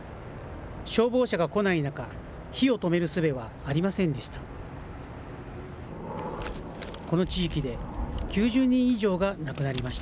消防車が来ない中、火を止めるすべはありませんでした。